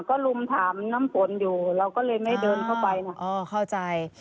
ก็ลุมถามน้ำฝนอยู่เราก็เลยไม่เดินเข้าไปนะอ๋อเข้าใจ